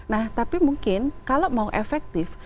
nah tapi mungkin kalau mau efektif